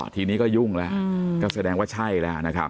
ทีนี้ก็ยุ่งแล้วก็แสดงว่าใช่แล้วนะครับ